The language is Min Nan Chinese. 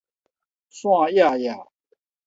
散掖掖